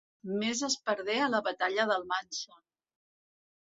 Més es perdé en la batalla d'Almansa.